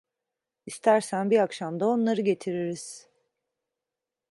İstersen bir akşam da onları getiririz.